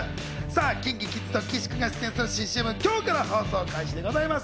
ＫｉｎＫｉＫｉｄｓと岸君が出演する新ＣＭは今日から放送開始です。